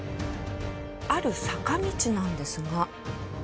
ある坂道なんですが。